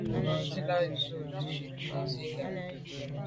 Mbàzīlā rə̌ tà' jú zə̄ fít nə̀ zí'’ə́ lɛ̂n.